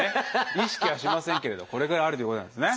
意識はしませんけれどこれぐらいあるということなんですね。